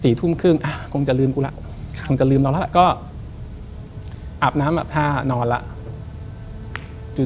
สี่ทุ่มครึ่งคงจะลืมกูแล้วทำก็ลืมเราแล้วก็อาบน้ำอาบท่านอนแล้ว